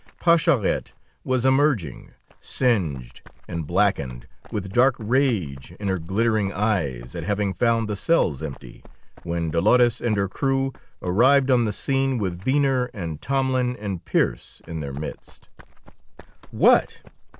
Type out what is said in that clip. Pascherette was emerging, singed and blackened, with dark rage in her glittering eyes at having found the cells empty, when Dolores and her crew arrived on the scene with Venner and Tomlin and Pearse in their midst. "What!